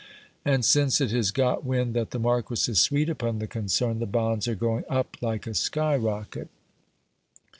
And since it has got wind that the Marquis is sweet upon the concern, the bonds are going up like a skyrocket.